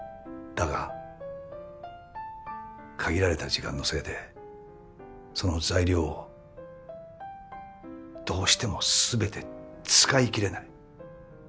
だが限られた時間のせいでその材料をどうしても全て使い切れない。